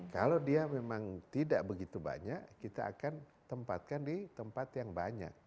kalau dia memang tidak begitu banyak kita akan tempatkan di tempat yang banyak